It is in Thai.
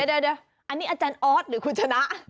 เดี๋ยวอันนี้อาจารย์ออสหรือคุณชนะ